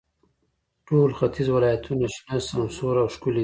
ټول ختیځ ولایتونو شنه، سمسور او ښکلي دي.